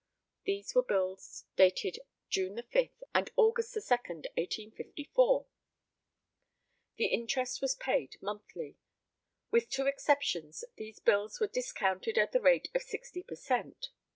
[These were bills dated June 5 and August 2, 1854.] The interest was paid monthly. With two exceptions, these bills were discounted at the rate of 60 per cent.